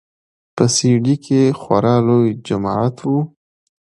په سي ډي کښې خورا لوى جماعت و.